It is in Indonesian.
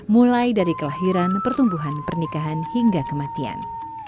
mulai dari kelahiran pertumbuhan pernikahan hingga kematian